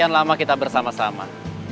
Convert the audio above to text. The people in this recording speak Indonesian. sekian lama kita bersama sama